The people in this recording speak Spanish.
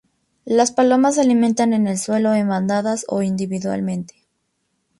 Las palomas se alimentan en el suelo en bandadas o individualmente.